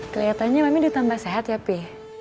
keliatannya mami ditambah sehat ya pi